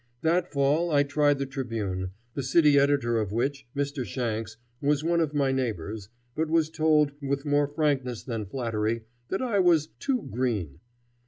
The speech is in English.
That fall I tried the Tribune, the city editor of which, Mr. Shanks, was one of my neighbors, but was told, with more frankness than flattery, that I was "too green."